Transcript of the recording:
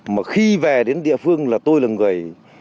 mà khi về đến địa phương là tôi là người